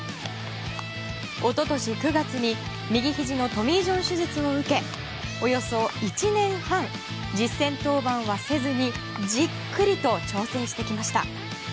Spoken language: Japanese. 一昨年９月に右ひじのトミー・ジョン手術を受けおよそ１年半、実戦登板はせずにじっくりと調整してきました。